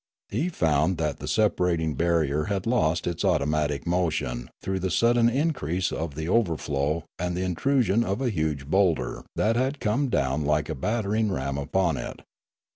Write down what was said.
He found that the separating barrier had lost its automatic motion through the sudden increase of the overflow and the intrusion of a huge boulder that had come down like a battering ram upon it.